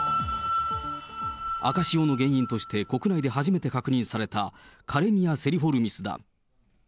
赤潮の原因として国内で初めて確認された、カレニア・セリフォルミスだ。